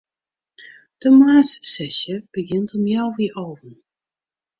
De moarnssesje begjint om healwei alven.